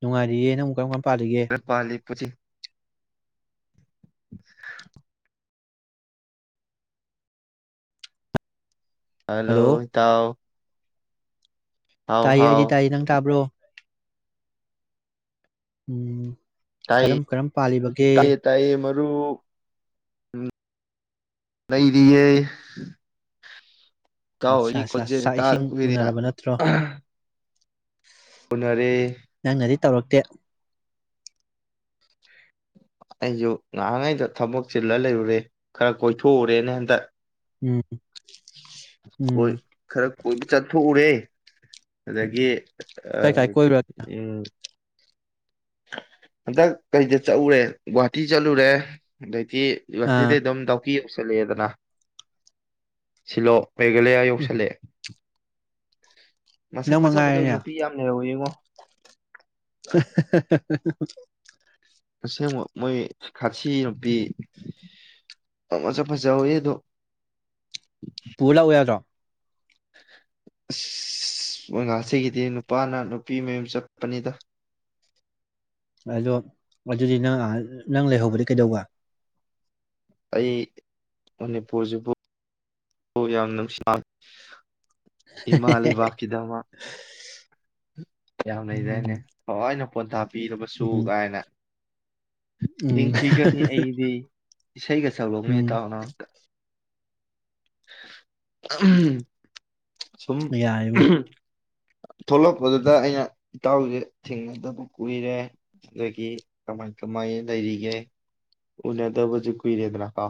ꯅꯨꯡꯉꯥꯏꯔꯤꯌꯦ ꯅꯪꯛ ꯀꯔꯝ ꯄꯥꯜꯂꯤꯒꯦ ꯄ ꯄꯨ [unintelligible] ꯍꯜꯂꯣ ꯏꯇꯥꯎ ꯍꯥꯎ ꯇꯥꯏ ꯍꯥꯎ ꯑꯩꯗꯤ ꯇꯥꯏ ꯅꯪ ꯇꯥꯕ꯭ꯔꯣ ꯎꯝ ꯀꯔꯝ ꯀꯔꯝ ꯄꯥꯜꯂꯤꯕꯒꯦ ꯇꯨꯛ ꯎꯝ ꯂꯩꯔꯤꯌꯦ [unintelligible] ꯀꯥꯎꯣ ꯑꯠꯆꯥ ꯏ ꯑꯠꯆꯥ ꯈꯣꯦ ꯆꯥꯛ ꯇꯥꯔ ꯏꯁꯤꯡ ꯀꯕꯤꯗꯅ ꯎꯅꯔꯕ ꯅꯠꯇ꯭ꯔꯣ ꯎꯅꯔꯦ ꯅꯪꯅꯗꯤ ꯇꯧꯔꯛꯇꯦ ꯑꯩꯁꯨ ꯉꯥꯏꯍꯉꯩꯗ ꯊꯕꯛ ꯆꯤꯜꯂ ꯂꯩꯔꯨꯔꯦ ꯈꯔ ꯀꯣꯏꯊꯣꯛꯎꯔꯦꯅ ꯍꯟꯗ ꯎꯝ ꯎꯝ ꯍꯣꯏ ꯈꯔ ꯀꯣꯏꯕ ꯆꯠꯊꯣꯛꯎꯔꯦ ꯑꯗꯒꯤ ꯑꯦ ꯀꯥꯏ ꯀꯥꯏ ꯀꯣꯏꯔꯨꯔ ꯎꯝ ꯍꯟꯗꯛ ꯀꯩꯗ ꯆꯠꯎꯨꯔꯦ ꯒꯨꯍꯥꯇꯤ ꯆꯠꯂꯨꯔꯦ ꯑꯗꯩ ꯑꯥ ꯗꯤ ꯑꯗꯨꯝ ꯅꯨꯄꯤ ꯑꯃꯁꯠꯂꯛꯑꯦꯗꯅ ꯁꯤꯂꯣ ꯃꯦꯘꯂꯌꯥ ꯎꯝ ꯌꯧꯁꯂꯦ ꯃꯁꯨ ꯅꯪ ꯐꯖ ꯐꯖꯕ ꯃꯉꯥꯏꯔꯦꯅꯦ ꯅꯨꯄꯤ ꯌꯥꯝ ꯂꯩꯔꯧ ꯌꯦꯡꯉꯣ [unintelligible] ꯑꯁꯦꯡꯕ ꯃꯣꯏ ꯈꯥꯁꯤ ꯅꯨꯄꯤ ꯑꯃꯖ ꯐꯖꯍꯧꯋꯤ ꯑꯗꯣ ꯄꯨ ꯂꯥꯛꯑꯣ ꯌꯥꯗ꯭ꯔꯣ ꯑꯁ ꯋꯥꯉꯥꯁꯤꯒꯤꯗꯤ ꯅꯨꯄꯥꯅ ꯅꯨꯄꯤ ꯃꯌꯨꯝ ꯆꯠꯄꯅꯤꯗ ꯑꯗꯣ ꯑꯗꯨꯗꯤ ꯅꯪ ꯅꯪ ꯂꯩꯍꯧꯕꯗꯤ ꯀꯩꯗꯧꯕ ꯑꯩ ꯃꯅꯤꯄꯨꯔꯁꯤꯕꯨ ꯍ ꯌꯥꯝ ꯅ ꯁ ꯏꯃꯥ ꯂꯩꯩ ꯀꯤꯗꯃ ꯌꯥꯝ ꯂꯩꯖꯅꯦ ꯎꯝ ꯍꯅ ꯄꯊꯥ ꯄꯤꯔꯕꯁꯨ ꯎꯝ ꯀꯥꯏꯅ ꯎꯝ ꯍꯤꯡꯈꯤꯒꯅꯤ ꯑꯩꯗꯤ ꯏꯁꯩꯒ ꯁꯛꯔꯧꯅꯤ ꯎꯝ ꯍꯦꯇꯥꯎꯅꯥꯛꯇ ꯎꯝ ꯁꯨꯝ ꯌꯥꯔꯦꯕꯣ ꯊꯣꯛꯂꯛꯄꯗꯨꯗ ꯑꯩꯅ ꯏꯇꯥꯎꯁꯦ ꯊꯦꯡꯅꯗꯕ ꯀꯨꯏꯔꯦ ꯑꯗꯒꯤ ꯀꯃꯥꯏ ꯀꯃꯥꯏ ꯂꯩꯔꯤꯒꯦ ꯎꯅꯗꯕꯁꯨ ꯀꯨꯏꯔꯦꯗꯅꯀꯣ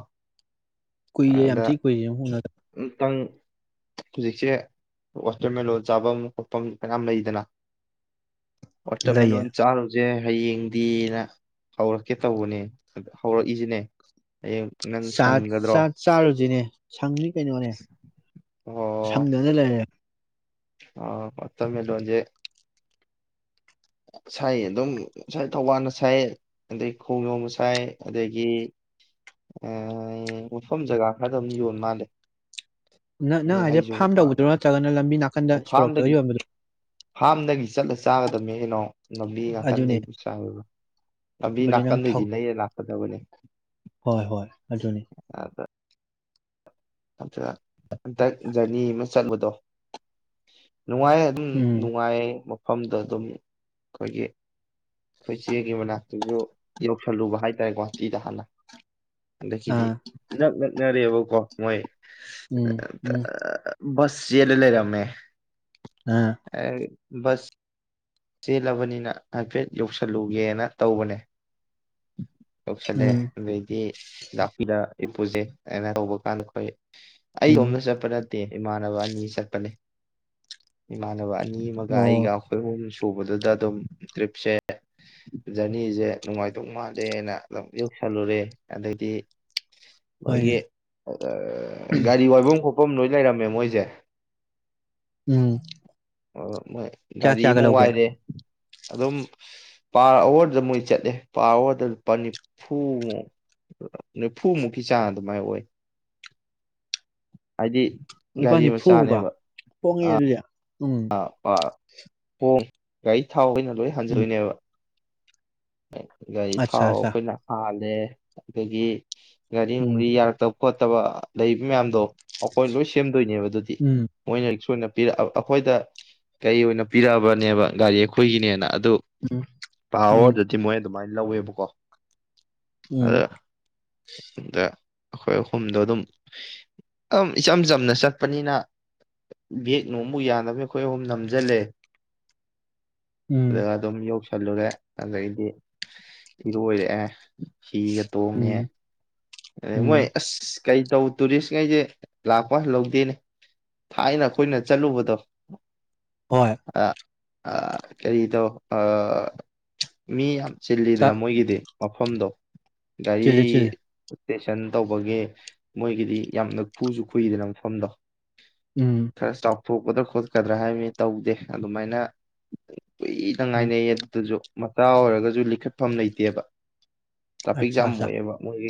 ꯀꯣꯏ ꯌꯥꯝ ꯊ ꯈꯨꯏꯦ ꯍꯟꯅ ꯑꯃꯇꯪ ꯍꯧꯖꯤꯛꯁꯦ ꯋꯥꯇꯔꯃꯦꯂꯂꯣꯟ ꯆꯥꯐꯝ ꯈꯣꯠꯐꯝ ꯀꯌꯥꯝ ꯂꯩꯗꯅ ꯂꯩꯌꯦ ꯑꯣꯇꯔꯃꯦꯂꯣꯟ ꯆꯥ ꯁꯦ ꯍꯌꯦꯡꯗꯤꯅ ꯍꯧꯔꯛꯀꯦ ꯇꯧꯕꯅꯦ ꯍꯧꯔꯛꯏꯁꯤꯅꯦ ꯍꯌꯦꯡ ꯅꯪ ꯆꯥꯛ ꯁꯪꯒꯗ꯭ꯔꯣ ꯆꯥꯛ ꯆꯥꯔꯨꯁꯤꯅꯦ ꯁꯪꯅꯤ ꯀꯩ ꯀꯩꯅꯣꯅꯦ ꯁꯝꯗꯨꯅ ꯂꯩꯔꯦ ꯑ ꯃꯠꯇꯃꯦ ꯂ ꯋꯥꯖꯦ ꯁꯥꯏ ꯑꯗꯨꯝ ꯉꯥꯏ ꯊꯧꯕꯥꯜꯅ ꯁꯥꯏ ꯑꯗꯩ ꯈꯣꯡꯖꯣꯅ ꯁꯥꯏ ꯑꯗꯒꯤ ꯃꯐꯝ ꯖꯒꯥ ꯈꯔ ꯑꯗꯨ ꯑꯗꯨꯝ ꯌꯣꯟ ꯃꯥꯜꯂꯦ ꯅꯪ ꯅꯪ ꯍꯥꯏꯁꯦ ꯑꯩꯁꯨ ꯐꯥꯔꯝ ꯇꯧꯕꯗꯣ ꯄꯥꯝꯃꯦ ꯅꯠꯇ꯭ꯔꯒꯅ ꯂꯝꯕꯤ ꯋꯥꯈꯟꯗ ꯁꯣꯔꯣꯛꯇꯒ ꯌꯣꯟꯝꯕꯗ ꯗꯒꯤ ꯆꯠꯂ ꯆꯥꯒꯗꯕꯃꯦ ꯀꯩꯅꯣ ꯂꯝꯕꯤ ꯑꯗꯨꯅꯦ ꯅꯥꯀꯟꯗꯩꯕꯨ ꯆꯥꯎꯥꯋꯦꯕ ꯂꯝꯕꯤ ꯑꯗꯨ ꯅꯪ ꯊꯧ ꯅꯥꯀꯟꯗꯩꯗꯤ ꯅꯔ ꯂꯥꯛꯀꯗꯕꯅꯦ ꯍꯣꯏ ꯍꯣꯏ ꯑꯗꯨꯅꯤ ꯑ ꯑꯆꯥ ꯍꯟꯗꯛ ꯖꯔꯅꯤ ꯑꯃ ꯆꯠꯂꯗꯣ [unintelligible] ꯅꯨꯡꯉꯥꯏ ꯑꯗꯨꯝ ꯎꯝ ꯅꯨꯡꯉꯥꯏ ꯃꯐꯝꯗ ꯑꯗꯨꯝ ꯑꯩꯈꯣꯏꯒꯤ ꯑꯩꯈꯣꯏꯆꯦꯒꯤ ꯃꯅꯥꯛꯇꯨꯁꯨ ꯌꯧꯁꯜꯂꯨꯕ ꯍꯥꯏꯇꯥꯔꯦ ꯒꯨꯍꯥꯇꯤꯗ ꯍꯥꯟꯅ ꯈꯤꯗꯤ ꯑꯥ ꯉꯛ ꯉꯛ ꯉꯦꯕ ꯣ ꯃꯣꯏ ꯎꯝ ꯎꯝ ꯁꯁꯤꯂ ꯂꯩꯔꯃꯦ ꯑꯥ ꯑ ꯁ ꯆꯦꯜꯂꯕꯅꯤꯅ ꯍꯥꯏꯐꯦꯠ ꯌꯧꯁꯜꯂꯨꯒꯦꯅ ꯇꯧꯕꯅꯦ ꯎꯝ ꯇꯁꯂꯦꯗꯤ ꯥꯛꯄꯤꯗ ꯏꯄꯨꯁꯦ ꯑꯩꯅ ꯇꯧꯕ ꯀꯥꯟꯗ ꯑꯩꯈꯣꯏ ꯑꯩ ꯎꯝ ꯀꯣꯝꯗ ꯆꯄꯔ ꯦ ꯏꯃꯥꯟꯅꯕ ꯑꯅꯤ ꯆꯠꯄꯅꯦ ꯏꯃꯥꯟꯅꯕ ꯑꯅꯤ ꯃꯒ ꯑꯩꯒ ꯑꯣ ꯄꯨꯕꯗꯨꯗ ꯑꯗꯨꯝ ꯇ꯭ꯔꯤꯞꯁꯦ ꯖꯔꯅꯤꯁꯦ ꯅꯨꯡꯉꯥꯏꯇꯧ ꯃꯥꯜꯂꯦꯅ ꯑꯗꯨꯝ ꯌꯧꯁꯜꯂꯨꯔꯦ ꯑꯗꯩꯗꯤ ꯍꯣꯏꯅꯦ ꯃꯥꯒꯤ ꯒꯥꯔꯤ ꯋꯥꯏꯕ ꯈ ꯀꯝ ꯂꯣꯏ ꯂꯩꯔꯝꯃꯦ ꯃꯣꯏꯁꯦ ꯎꯝ ꯑ ꯀꯌꯥ ꯒꯥꯔꯤ ꯀꯌꯥꯒ ꯑꯃ ꯂꯧꯒꯦ ꯋꯥꯏꯔꯦ ꯑꯗꯨꯝ ꯄꯥꯔ ꯑꯋꯥꯔꯗ ꯃꯣꯏ ꯆꯠꯂꯦ ꯄꯥ ꯑꯋꯥꯔꯗ ꯂꯨꯄꯥ ꯅꯤꯐꯨꯃꯨꯛ ꯅꯤꯐꯨꯃꯨꯛꯀꯤ ꯆꯥꯡ ꯑꯗꯨꯃꯥꯏ ꯑꯣꯏ ꯍꯥꯏꯗꯤ ꯂꯨꯄꯥ ꯒꯥꯔꯤ ꯅꯤꯐꯨ ꯍꯨꯕ ꯍꯣꯡꯉꯦ ꯑꯗꯨꯗꯤ ꯎꯝ ꯑ ꯋꯥ ꯍ ꯀꯩ ꯊ ꯍꯥꯎꯩꯅ ꯂꯣꯏ ꯎꯝ ꯍꯟꯖꯣꯏꯅꯦꯕ ꯒꯥꯔꯤ ꯑꯠꯆꯥ ꯊꯥꯎ ꯑꯠꯆꯥ ꯑꯩꯈꯣꯏꯅ ꯍꯜꯂꯤ ꯑ ꯑꯩꯈꯣꯏꯒꯤ ꯎꯝ ꯒꯥꯔꯤꯔꯤ ꯌꯥꯔ ꯇ ꯈꯣꯠꯇꯕ ꯂꯩꯕ ꯃꯌꯥꯝꯗꯣ ꯑꯩꯈꯣꯏ ꯂꯣꯏ ꯁꯦꯝ ꯣꯏꯅꯦꯕ ꯑꯗꯨꯗꯤ ꯎꯝ ꯃꯣꯏꯅ ꯁꯣꯏꯅ ꯑꯩꯈꯣꯏꯗ ꯀꯩ ꯑꯣꯏꯅ ꯄꯤꯔꯛꯑꯕꯅꯦꯕ ꯒꯥꯔꯤ ꯑꯩꯈꯣꯏꯒꯤꯅꯦꯅ ꯑꯗꯨ ꯎꯝ ꯎꯝ ꯄꯋꯥꯔ ꯃꯣꯏ ꯑꯗꯨꯃꯥꯏꯅ ꯂꯧꯋꯦꯕꯀꯣ ꯑꯗ ꯎꯝ ꯏ ꯑꯩꯈꯣꯏ ꯑꯍꯨꯝꯗꯣ ꯑꯗꯨꯝ ꯑꯗꯨꯝ ꯏꯆꯝ ꯆꯝꯅ ꯆꯠꯄꯅꯤꯅ ꯕꯦꯛ ꯅꯨꯡꯕꯨ ꯌꯥꯅꯕꯅꯤ ꯑꯩꯈꯣꯏ ꯑꯍꯨꯝ ꯅꯝꯁꯤꯜꯂꯦ ꯎꯝ ꯗꯝ ꯌꯧ ꯆꯂꯨꯔ ꯑ ꯁꯤꯤꯔꯣ ꯑꯣꯏꯔꯛꯑꯦ ꯁꯤꯤꯒꯦ ꯇꯣꯡꯉꯦ ꯎꯝ ꯑꯦ ꯃꯣꯏ ꯎꯝ ꯑꯁ ꯀꯩ ꯇꯧ ꯇꯨꯔꯤꯁ ꯉꯩꯁꯦ ꯂꯥꯛꯄ ꯂꯧꯗꯦꯅꯦ ꯊꯥꯏꯅ ꯑꯩꯈꯣꯏꯅ ꯆꯠꯂꯨꯕꯗꯣ ꯍꯣꯏ ꯑ ꯑ ꯀꯔꯤ ꯇꯣ ꯑ ꯃꯤ ꯌꯥꯝ ꯆꯤꯜꯂꯤꯗ꯭ꯔꯥ ꯆꯥꯛ ꯃꯣꯏꯒꯤꯗꯤ ꯃꯐꯝꯗꯣ ꯒꯥꯔꯤ ꯆꯤꯜꯂꯤ ꯆꯤꯜꯂꯤ ꯏꯁꯇꯦꯁꯟ ꯇꯧꯕꯒꯤ ꯃꯣꯏꯒꯤꯗꯤ ꯌꯥꯝꯅ ꯈꯨꯁꯨ ꯈꯨꯨꯏꯗꯅ ꯃꯐꯝꯗꯣ ꯎꯝ ꯈꯔꯦ ꯁ ꯇꯥꯎ ꯊꯣꯛꯀꯗ꯭ꯔꯥ ꯈꯣꯠꯀꯗ꯭ꯔꯥ ꯍꯥꯏꯕꯅꯤ ꯇꯧꯗꯦ ꯑꯗꯨꯃꯥꯏꯅ ꯀꯨꯏꯅ ꯎꯝ ꯉꯥꯏꯅꯩꯌꯦ ꯑꯗꯨꯗꯨꯁꯨ ꯃꯇꯥ ꯑꯣꯏꯔꯒꯁꯨ ꯂꯤꯈꯠꯐꯝ ꯂꯩꯇꯦꯕ ꯇ꯭ꯔꯥꯐꯛ ꯑꯠꯆꯥ ꯝ ꯑꯠꯆꯥ ꯑꯣꯏꯕ ꯃꯣꯏ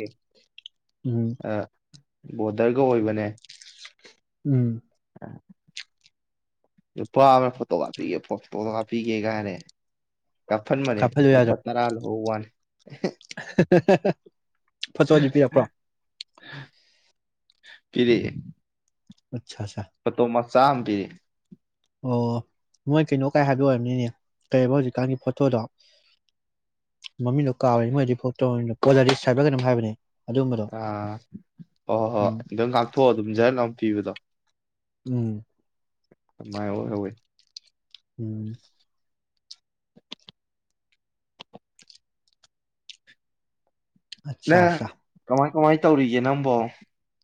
ꯎꯝ ꯕꯣꯔꯗꯔꯒ ꯑꯣꯏꯕꯅꯦ ꯎꯝ ꯅꯨꯄꯥ ꯐꯣꯇꯣ ꯀꯥꯞꯄꯤꯤꯒꯦ ꯐꯣꯇꯣ ꯀꯥꯞꯄꯤꯒꯦ ꯀꯥꯏꯔꯦ ꯀꯐꯟ ꯃꯅꯦ ꯂꯨꯠꯅꯔꯥꯂꯣ ꯍ ꯋꯥꯟ ꯐꯆꯣꯅꯤꯄꯤꯤꯄ꯭ꯔ ꯐꯤꯔꯤ ꯑꯆꯥꯆꯥ ꯆꯥꯃ ꯄꯤꯔꯤ ꯑꯣ ꯃꯣꯏ ꯀꯩꯅꯣ ꯀꯥꯏ ꯍꯥꯏꯕ ꯑꯣꯏꯔꯕꯝꯅꯤꯅꯦ ꯀꯩ ꯍꯧꯖꯤꯛꯀꯥꯟꯒꯤ ꯐꯣꯇꯣꯗꯣ ꯃꯃꯤꯡꯗꯣ ꯀꯥꯎꯔ ꯃꯣꯏꯗꯤ ꯐꯣꯇꯣ ꯄꯣꯂꯔꯤꯁ ꯍꯥꯏꯕ꯭ꯔꯥ ꯀꯩꯅꯣꯝ ꯍꯥꯏꯕꯅꯦ ꯑꯗꯨꯝꯕꯗꯣ ꯑꯥ ꯍꯣꯏ ꯍꯣꯏ ꯎꯝ ꯑꯗꯨꯝ ꯉꯥꯛꯊꯣꯛꯑꯣ ꯑꯗꯨꯝ ꯖꯟ ꯑꯃ ꯄꯤꯕꯗꯣ ꯎꯝ ꯀꯃꯥꯏ ꯍꯣꯏ ꯎꯝ ꯑꯠꯆꯥ ꯑꯁꯆꯥ ꯀꯃꯥꯏꯅ ꯇꯧꯔꯤꯒꯦ ꯅꯪꯕꯣ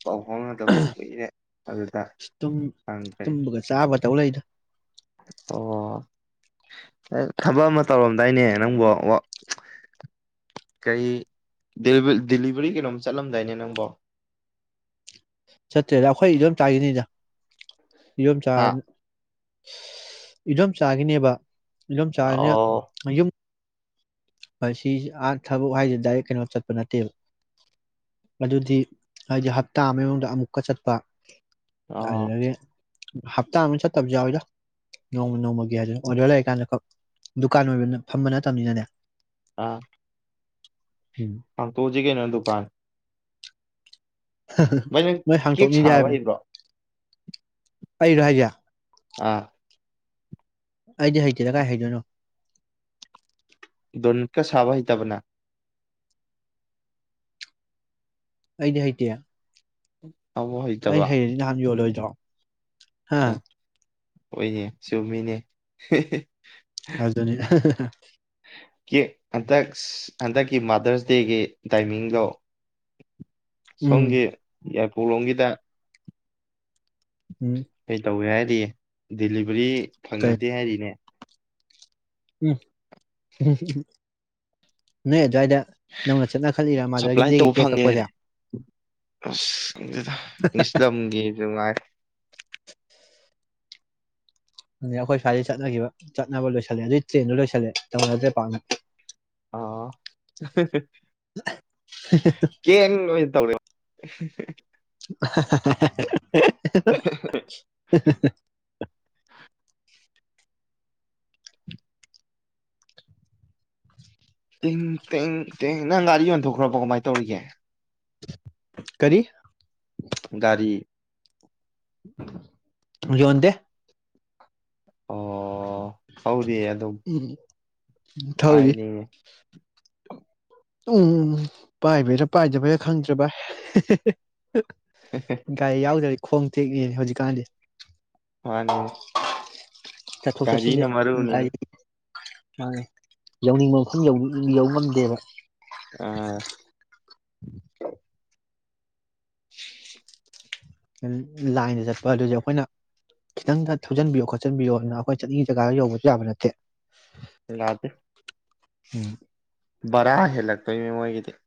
ꯄꯥꯎ ꯐꯥꯎꯅꯗꯕꯗꯨ ꯀꯏꯔꯦ ꯑꯗꯨꯗ ꯍ ꯐꯔꯤ ꯇꯧꯂ ꯏꯗ ꯑꯣ ꯊꯕꯛ ꯑꯃ ꯇꯧꯔꯝꯗꯥꯏꯅꯦ ꯅꯪꯕꯣ ꯀꯔꯤ ꯗꯦꯂꯤꯚꯔꯤ ꯀꯩꯅꯣꯝ ꯆꯠꯂꯝꯗꯥꯏꯅꯦ ꯅꯪꯕꯣ ꯆꯠꯇ꯭ꯔꯦꯗ ꯑꯩꯈꯣꯏ ꯑꯗꯨꯝ ꯆꯥꯈꯤꯅꯤꯅ ꯌꯨꯝ ꯆꯥ ꯍꯥ ꯏꯗꯣꯝ ꯆꯥꯒꯤꯅꯦꯕ ꯑꯗꯨꯨꯝ ꯆꯥꯅ ꯑꯣ ꯌꯨꯝ ꯁꯤꯁ ꯑꯥ ꯊꯕꯛ ꯍꯥꯏꯁꯤꯦ ꯗꯥꯏꯔꯦꯛ ꯀꯩꯅꯣ ꯆꯠꯄ ꯅꯠꯇꯦꯕ ꯑꯗꯨꯗꯤ ꯍꯥꯏꯗꯤ ꯍꯞꯇꯥ ꯑꯃꯒꯤ ꯃꯅꯨꯡꯗ ꯑꯃꯨꯛꯀ ꯆꯠꯄ ꯑꯣ ꯑꯂꯒꯦ ꯍꯞꯇꯥ ꯑꯃ ꯆꯠꯇꯕꯁꯨ ꯌꯥꯎꯋꯏꯗ ꯅꯣꯡꯃ ꯅꯣꯡꯃꯒꯤ ꯍꯥꯏꯗꯅ ꯑꯣꯔꯗꯔ ꯂꯩꯔꯀꯥꯟꯗ ꯗꯨꯀꯥꯟ ꯑꯣꯏꯕꯅ ꯐꯝꯕ ꯅꯠꯇꯕꯅꯤꯅꯅꯦ ꯑꯥ ꯎꯝ ꯑ ꯇꯨꯡꯖꯤꯒꯦ ꯅꯅ ꯗꯨꯀꯥꯟ ꯚꯥꯏ ꯅꯪ ꯅꯣꯏ ꯀꯦꯛ ꯍꯥꯡꯇꯣꯛꯅꯤꯡꯗꯦ ꯁꯥꯕ ꯍꯥꯏꯕꯅꯤ ꯍꯩꯕ꯭ꯔꯣ ꯑꯩ ꯔ ꯍꯥꯏꯖ ꯑꯥ ꯑꯩꯗꯤꯦ ꯍꯩꯇꯦꯗ ꯀꯥꯏ ꯍꯩꯗꯣꯏꯅꯣ ꯗꯣꯟꯀ ꯁꯥꯕ ꯍꯇꯥꯕꯅ ꯑꯩꯗꯤ ꯍꯥꯏꯇ ꯎꯝ ꯑꯩ ꯍꯩ ꯅꯍꯥꯟ ꯌꯣꯜꯂꯣꯏ inaudible ꯍꯥꯥ ꯑꯆꯥ ꯍꯣꯏꯅꯦ ꯆꯨꯝ ꯃꯤꯅꯦ ꯍ ꯑꯗꯨꯅꯤ inaudible ꯍꯟꯗꯛ ꯍꯟꯗꯛꯀꯤ ꯃꯥꯗꯔꯁ ꯗꯦꯒꯤ ꯇꯥꯏꯃꯤꯡꯗꯣ ꯎꯝ ꯁꯒꯦ ꯍꯧꯂꯣꯡꯒꯤꯗ ꯎꯝ ꯍ ꯇꯧ ꯌꯥ ꯗꯂꯤꯚꯔꯤ ꯐꯪꯅꯗꯦ ꯍꯥꯏꯔꯤꯅꯦ ꯎ ꯅ ꯁꯄ꯭ꯂꯥꯏ ꯗꯦꯒꯤ ꯇꯧꯕ ꯀꯦꯛ ꯐꯪꯉꯦ ꯀꯛꯄꯁꯦ ꯍꯥꯏꯗꯤ ꯑꯁ ꯏꯪꯂꯤꯁ ꯂꯝꯒꯤꯁꯨ ꯉꯥꯏ ꯑ ꯑꯩꯈꯣꯏ ꯁ꯭ꯋꯥꯏꯗꯒꯤ ꯆꯠꯅꯈꯤꯕ ꯆꯠꯅꯕ ꯂꯣꯏꯁꯤꯜꯂꯦ ꯑꯗꯨꯏ ꯇ꯭ꯔꯦꯟꯗꯣ ꯂꯣꯏꯁꯤꯜꯂꯦ ꯇꯧꯅꯗ꯭ꯔꯦ ꯄꯥꯛꯅ ꯑ ꯀ ꯑꯣꯏ ꯇ inaudible inaudible inaudible ꯇꯤꯡ ꯇꯤꯡ ꯇꯦꯡ ꯅꯪ ꯒꯥꯔꯤ ꯌꯣꯟꯊꯣꯛꯈ꯭ꯔꯕ ꯀꯃꯥꯏꯅ ꯇꯧꯔꯤꯒꯦ ꯀꯔꯤ ꯔꯤ ꯌꯣꯟꯣꯟꯗ ꯍꯧꯔꯤꯑ ꯑꯗꯨꯝ ꯎꯝ ꯊꯧꯔꯤ ꯍꯥꯏꯅꯤꯡꯉꯦ ꯎꯝ ꯄꯥꯏꯕꯩꯔꯥ ꯄꯥꯏꯗꯕꯩꯔꯥ ꯈꯪꯗ꯭ꯔꯕ ꯒꯥꯥꯏ ꯌꯥꯎꯗꯔꯤ ꯈꯣꯡ ꯊꯦꯛꯅꯦꯅꯦ ꯍꯧꯖꯤꯛꯀꯥꯟꯗꯤ ꯍꯅꯤ ꯒꯥꯔꯤꯅ ꯃꯔꯔ ꯎꯅꯤꯅꯤ ꯃꯥꯉꯦ ꯌꯧꯅꯤꯡꯕ ꯃꯈꯜ ꯌꯧꯕ ꯉꯝꯗꯦꯕ ꯑꯥ inaudible ꯂꯥꯏꯟꯗ ꯆꯠꯄ ꯑꯗꯨꯁꯨꯦ ꯑꯩꯈꯣꯏꯅ ꯈꯤꯇꯪꯗ ꯊꯧꯖꯤꯟꯕꯤꯌꯣ ꯈꯣꯠꯆꯤꯟꯕꯤꯌꯣ ꯑꯗꯨꯅ ꯑꯩꯈꯣꯏ ꯆꯠꯂꯤꯉ ꯖꯒꯥꯗ ꯌꯧꯕꯁꯨ ꯌꯥꯕ ꯅꯠꯇꯦ ꯗ ꯍꯝ ꯚꯔꯥ ꯍꯦꯜꯂꯛꯇꯣꯏ ꯃꯤ ꯃꯣꯏꯒꯤꯗꯤ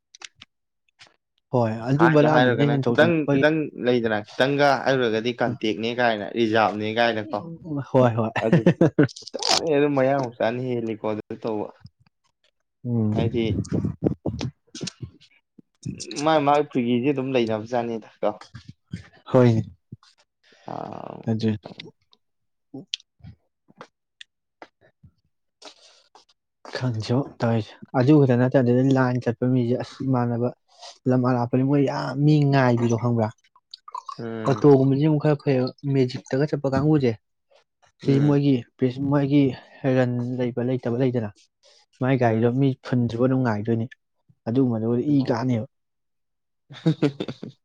ꯍꯣꯏ ꯑꯗꯨ ꯍꯥꯏꯗ ꯕꯔꯥꯗꯨꯅ ꯍꯥꯏꯔꯨꯔꯒꯅ ꯈꯤꯇꯪ ꯍꯦꯟꯗꯣꯛꯇꯅ ꯍꯣꯏ ꯈꯤꯇꯪ ꯂꯩꯗꯅ ꯈꯤꯇꯪꯒ ꯍꯥꯏꯔꯨꯔꯒꯗꯤ ꯀꯟꯇꯦꯛꯅꯦ ꯀꯥꯏꯅ ꯔꯤꯖꯥ ꯆꯅꯤ ꯀꯥꯏꯅꯀꯣ ꯍꯣꯏ ꯑꯗꯨ ꯆꯞ ꯃꯥꯟꯅꯩ ꯑꯗꯨ ꯃꯌꯥꯡꯃꯨꯛ ꯆꯥꯅ ꯍꯦꯜꯂꯤꯀꯣ ꯑꯗꯨ ꯇꯧꯕ ꯎꯝ ꯍꯥꯏꯗꯤ ꯃꯥꯥꯏ ꯃꯥꯒꯤ ꯐꯤꯒꯤꯁꯤꯦ ꯑꯗꯨꯝ ꯂꯩꯅꯕ ꯖꯥꯅꯤ ꯊ ꯀ ꯍꯣꯏ ꯑ ꯍꯥꯏꯖꯤ ꯈꯪꯁꯨ ꯇꯧꯔꯤꯁꯦ ꯑꯗꯨ ꯈꯛꯇ ꯅꯠꯇꯗꯗꯤ ꯂꯥꯏ ꯆꯠꯄ ꯃꯤꯁꯦ ꯑꯁ ꯏꯃꯥꯟꯅꯕ ꯂꯝꯃꯥꯟ ꯂꯥꯛꯄꯅꯤ ꯃꯣꯏ ꯌꯥꯝ ꯃꯤ ꯉꯥꯏꯈꯤꯗꯣ ꯈꯪꯕ꯭ꯔꯥ ꯑ ꯎꯝ ꯇꯒ ꯑꯩꯈꯣꯏ ꯃꯦꯖꯤꯞꯇꯒ ꯆꯠꯄ ꯀꯥꯡꯕꯨꯁꯦ ꯁꯤ ꯎꯝ ꯃꯣꯏꯒꯤ ꯃꯣꯏꯒꯤ ꯔꯟ ꯂꯩꯕ ꯂꯩꯇꯕ ꯂꯩꯗꯅ ꯃꯥꯏ ꯒꯥꯔꯤꯗ ꯎꯝ ꯃꯤ ꯐꯣꯟ ꯁꯤꯕꯨ ꯑꯗꯨꯅꯨꯡꯉꯥꯏꯗꯣꯏꯅꯤ ꯑꯗꯨꯒꯨꯝꯕꯗꯨ ꯑꯣꯏ ꯏ ꯀꯥꯅꯦꯕ [unintelligible]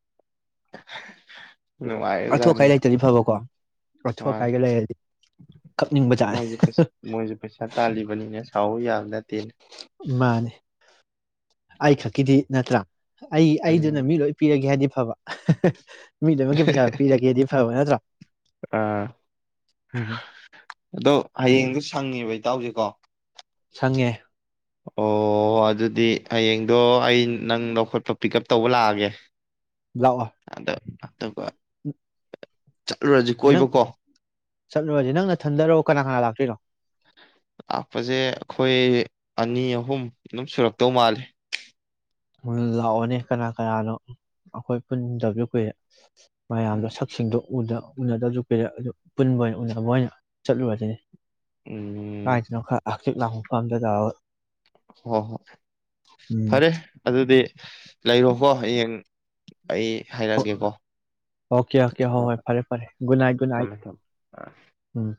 ꯑꯊꯨ ꯅꯨꯡꯉꯥꯏꯕꯖꯥꯅꯤ ꯑꯀꯥꯏ ꯂꯩꯇꯗꯤ ꯐꯕꯀꯣ ꯃꯥ ꯂꯧꯊꯣꯛ ꯀꯥꯏꯒ ꯂꯩꯔꯗꯤ ꯀꯞꯅꯤꯡꯕꯖꯥꯠꯅꯦ ꯃꯣꯏꯁꯨ ꯃꯣꯏꯁꯨ ꯄꯩꯁꯥ ꯇꯥꯜꯂꯤꯕꯅꯤꯅꯦ ꯁꯥꯎꯎ ꯌꯥꯕ ꯅꯠꯇꯦꯅꯦ ꯃꯥꯅꯦ ꯑꯩ ꯈꯛꯀꯤꯗꯤ ꯅꯠꯇ꯭ꯔꯥ ꯑꯩ ꯎꯝ ꯑꯩꯗꯨꯅ ꯃꯤ ꯂꯣꯏ ꯄꯤꯔꯒꯦ ꯍꯥꯏꯗꯤ ꯑ ꯊꯕ ꯃꯤꯗꯨꯃꯒꯤ ꯄꯩꯁꯥ ꯄꯤꯔꯒꯦꯗꯤ ꯍ ꯌꯥꯠꯇ꯭ꯔꯣ ꯑ ꯑꯗꯣ ꯍꯌꯦꯡꯗꯨꯣ ꯁꯪꯉꯦꯕ ꯏꯇꯥꯎꯁꯦꯀꯣ ꯁꯪꯉꯦ ꯑꯣ ꯑꯗꯨꯗꯤ ꯍꯌꯦꯡꯗꯣ ꯑꯩ ꯅꯪ ꯂꯧꯈꯣꯠꯄ ꯄꯤꯛ ꯎꯞ ꯇꯧꯕ ꯂꯥꯛꯑꯒꯦ ꯌꯥꯥꯛ ꯑꯠꯇꯒ ꯎꯝ ꯅꯪ ꯀꯣꯏꯕꯀꯣ ꯆꯠꯂꯨꯔꯁꯤꯦ ꯅꯪꯅ ꯊꯟꯗꯔꯣ ꯀꯅꯥ ꯀꯅꯥ ꯂꯥꯛꯇꯦ ꯐꯤꯔꯣ ꯂꯥꯛꯄꯁꯦ ꯑꯩꯈꯣꯏ ꯑꯅꯤ ꯑꯍꯨꯝ ꯑꯗꯨꯝ ꯁꯨꯔꯛꯇꯧ ꯃꯥꯜꯂꯦ ꯂꯥꯛꯑꯣꯅꯦ ꯀꯅꯥ ꯀꯅꯥꯅꯣ ꯑꯩꯈꯣꯏ ꯄꯨꯟꯗꯕꯁꯨ ꯀꯨꯏꯔꯦ ꯃꯌꯥꯝꯗꯣ ꯁꯛꯁꯤꯡꯗꯨꯣ ꯎꯅꯗꯕꯁꯨ ꯄꯤꯔꯦ ꯑꯗꯨ ꯄꯨꯟꯕ ꯑꯣꯏꯅ ꯎꯅꯕ ꯑꯣꯏꯅ ꯆꯠꯂꯨꯔꯁꯤꯅꯤ ꯎꯝ ꯀꯅ ꯈ ꯀꯠꯂ ꯃꯛꯝꯗꯖ ꯍ ꯍꯣ ꯎꯝ ꯐꯔꯦ ꯑꯗꯨꯗꯤ ꯂꯩꯔꯣꯍꯣ ꯍꯌꯦꯡ ꯑꯩ ꯍꯥꯏꯔꯛꯑꯒꯦꯀꯣ ꯑꯣꯀꯦ ꯑꯣꯀꯦ ꯍꯣ ꯍꯣꯏ ꯐꯔꯦ ꯐꯔꯦ ꯒꯨꯗ ꯅꯥꯏꯠ ꯒꯨꯗ ꯅꯥꯏꯠ ꯊꯝꯃꯦ ꯊꯝꯃꯦ ꯑ ꯎꯝ